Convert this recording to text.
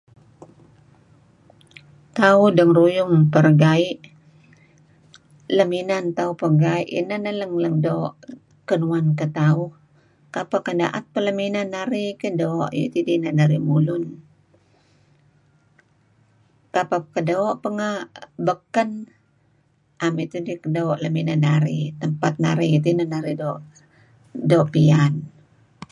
Tauh dengaruyung perengai', lem inan tauh pegerai' ineh neh leng-leng doo' kinuan ketauh. Kapeh ken daet peh lem inan narih keh doo' ayu' teh idih inan narih mulun. Kapeh ken doo pehga' ngi baken am tidih ken doo' ngen nuk inan narih. Ngi tempat narih teh inan narih doo' pian.